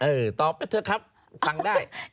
ตอบไปเถอะครับฟังได้